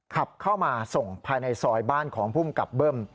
ขับเข้ามาส่งภายในซอยบ้านของภูมิกับเบิ้ม